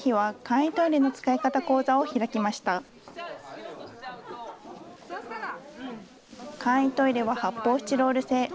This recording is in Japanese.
簡易トイレは発泡スチロール製。